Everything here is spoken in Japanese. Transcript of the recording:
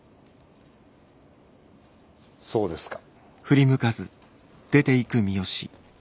そうですか。